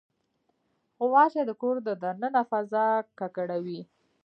غوماشې د کور د دننه فضا ککړوي.